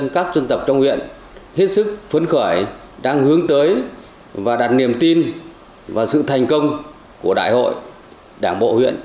có phần đảm bảo dư vững